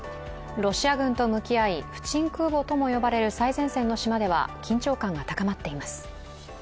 ロシア軍と向き合い、浮沈空母とも呼ばれる最前線の島では緊張感が高まっています。